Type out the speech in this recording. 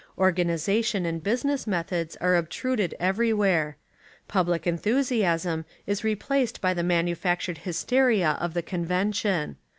Organi sation and business methods are obtruded every where. Public enthusiasm is replaced by the manufactured hysteria of the convention.